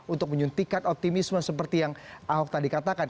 untuk menyuntikkan optimisme seperti yang ahok tadi katakan